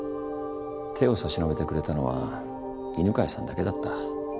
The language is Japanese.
手を差し伸べてくれたのは犬飼さんだけだった。